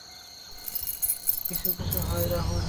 কিছু কিছু হয় রাহুল।